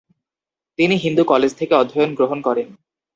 তিনি হিন্দু কলেজ থেকে অধ্যয়ন গ্রহণ করেন।